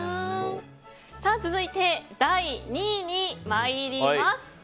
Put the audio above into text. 続いて、第２位に参ります。